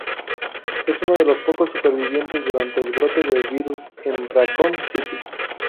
Es uno de los pocos supervivientes durante el brote del virus en Raccoon City.